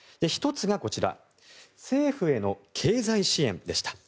１つがこちら政府への経済支援でした。